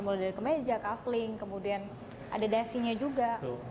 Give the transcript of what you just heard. mulai dari kemeja kaveling kemudian ada dasinya juga